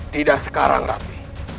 tidak sekarang raffi